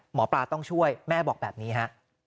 หมอปลาต้องช่วยแม่บอกแบบนี้ฮะ